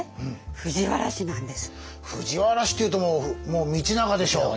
藤原氏っていうともうもう道長でしょう。